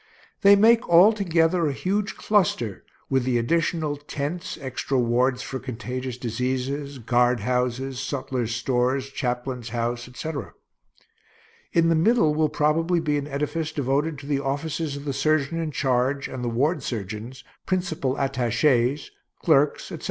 They make all together a huge cluster, with the additional tents, extra wards for contagious diseases, guard houses, sutler's stores, chaplain's house, etc. In the middle will probably be an edifice devoted to the offices of the surgeon in charge and the ward surgeons, principal attachés, clerks, etc.